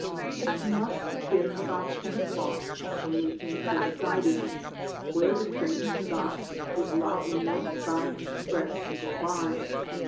It must have been about ten o'clock when we came to a siding, where the train stopped to allow a northbound express to go by.